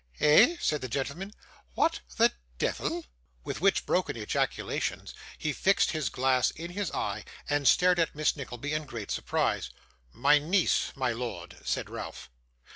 'Eh!' said the gentleman. 'What the deyvle!' With which broken ejaculations, he fixed his glass in his eye, and stared at Miss Nickleby in great surprise. 'My niece, my lord,' said Ralph.